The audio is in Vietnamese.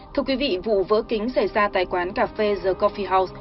thưa quý vị vụ vỡ kính xảy ra tại quán cà phê the cophie house